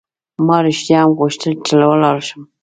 ما رښتیا هم غوښتل چې ولاړ شم.